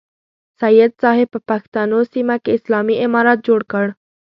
سید صاحب په پښتنو سیمه کې اسلامي امارت جوړ کړ.